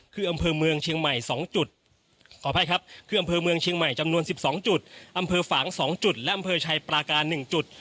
คืออำเภอเมืองเชียงใหม่๑๒จุดอำเภอฝาง๒จุดและอำเภอชายปราการ๑จุด